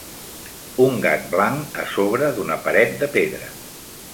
Un gat blanc a sobre d'una paret de pedra.